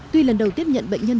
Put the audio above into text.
tuy lần đầu tiếp nhận bệnh nhân